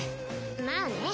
まあね。